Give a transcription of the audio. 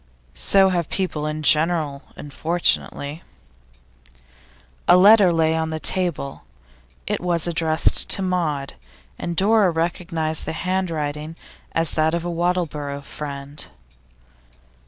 'So have people in general, unfortunately.' A letter lay on the table. It was addressed to Maud, and Dora recognised the handwriting as that of a Wattleborough friend.